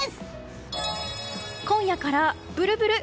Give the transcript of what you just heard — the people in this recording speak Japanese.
今夜からブルブル。